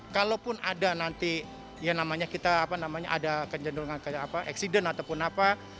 kalaupun ada kejendelan kejadian ataupun apa